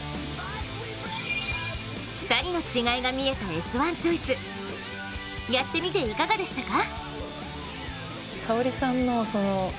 ２人の違いが見えた「Ｓ☆１チョイス」やってみていかがでしたか？